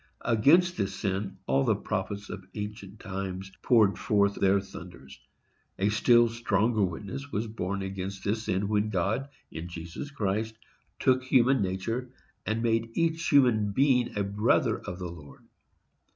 Against this sin all the prophets of ancient times poured forth their thunders. A still stronger witness was borne against this sin when God, in Jesus Christ, took human nature, and made each human being a brother of the Lord.